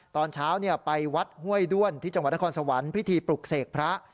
ตอนเช้าไปวัดห้วยด้วนที่จังหวัดนครสวรรค์พิธีปลุกเสกพระ